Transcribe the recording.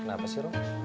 kenapa sih rom